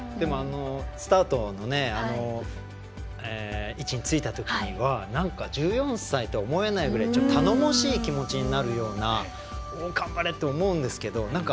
スタートの位置についたときにはなんか１４歳とは思えないくらい頼もしい気持ちになるような頑張れって思うんですけど。